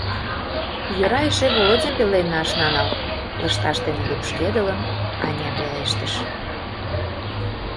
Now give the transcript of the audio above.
— Йӧра эше Володям пеленна ышна нал, — лышташ дене лупшкедылын, Аня пелештыш.